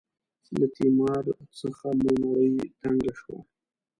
له تیمار څخه مو نړۍ تنګه شوه.